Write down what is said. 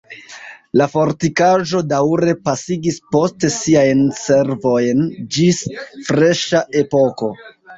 La fortikaĵo daŭre pasigis poste siajn servojn ĝis freŝa epoko.